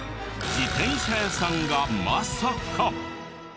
自転車屋さんがまさか。